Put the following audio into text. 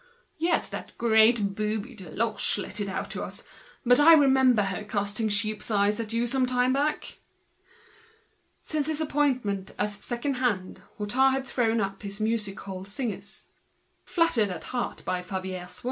"Yes, that great booby Deloche let it out to us. I remember her casting sheep's eyes at you some time back." Since his appointment as second hand Hutin had thrown up his music hall singers and gone in for governesses.